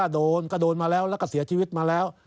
โดนก็โดนมาแล้วแล้วก็เสียชีวิตมาแล้ว